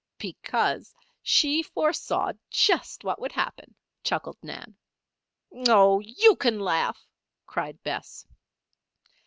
"Because she foresaw just what would happen," chuckled Nan. "Oh! you can laugh!" cried Bess.